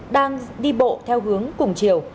đang đi bộ theo hướng củng triều